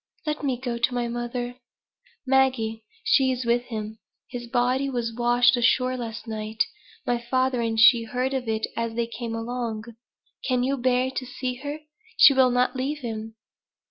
"Let me go to my mother." "Maggie, she is with him. His body was washed ashore last night. My father and she heard of it as they came along. Can you bear to see her? She will not leave him."